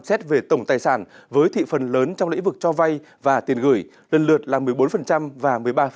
xét về tổng tài sản với thị phần lớn trong lĩnh vực cho vay và tiền gửi lần lượt là một mươi bốn và một mươi ba